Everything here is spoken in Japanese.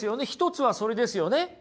１つはそれですよね。